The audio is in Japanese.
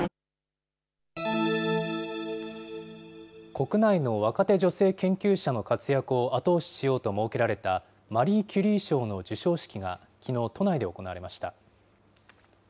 国内の若手女性研究者の活躍を後押ししようと設けられたマリー・キュリー賞の授賞式がきのう、都内で行われました。